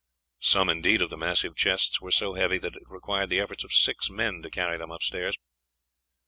Some, indeed, of the massive chests were so heavy that it required the efforts of six men to carry them upstairs.